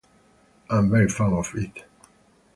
I'm very fond of it.